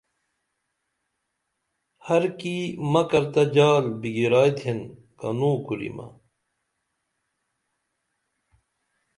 ہر کی مکر تہ جال بِگیرائی تھین کنوں کُریمہ